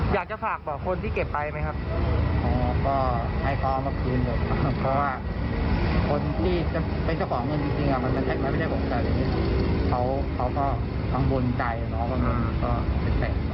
อยากจะฝากบอกคนที่เก็บไปไหมครับ